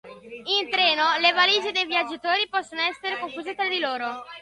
In treno, le valigie dei viaggiatori possono essere confuse tra di loro.